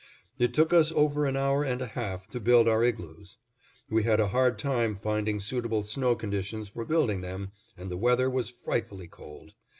It took us over an hour and a half to build our igloos. We had a hard time finding suitable snow conditions for building them, and the weather was frightfully cold.